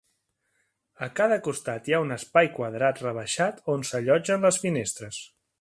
A cada costat hi ha un espai quadrat rebaixat on s'allotgen les finestres.